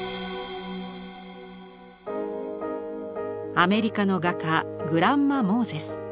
アメリカの画家グランマ・モーゼス。